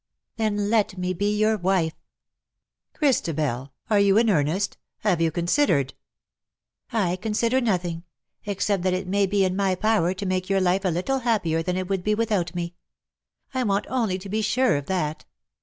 " Then let me be your wife/^ " Christabel^ are you in earnest ? have you con sidered ?"" I consider nothing, except that it may be in my power to make your life a little happier than it would be without me. I want only to be sure of that.